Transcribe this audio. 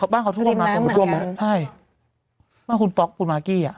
บ้านเขาท่วมมา